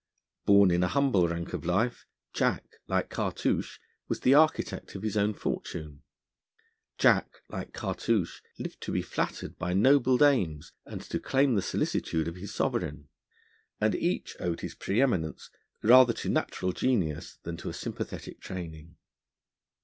Born in a humble rank of life, Jack, like Cartouche, was the architect of his own fortune; Jack, like Cartouche, lived to be flattered by noble dames and to claim the solicitude of his Sovereign; and each owed his pre eminence rather to natural genius than to a sympathetic training.